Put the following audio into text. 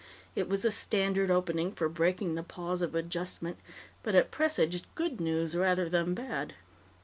It was a standard opening for breaking the pause of adjustment, but it presaged good news rather than bad.